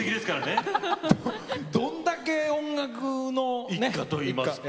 どんだけ音楽の一家というか。